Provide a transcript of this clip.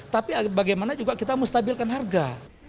tapi bagaimana juga kita mustabilkan harga